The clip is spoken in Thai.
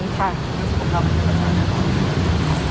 ว่าสมมติว่ามันเป็นปัญหาแน่ต้อนรู้หรือเปล่า